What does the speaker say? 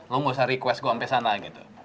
lo gak usah request gue sampai sana gitu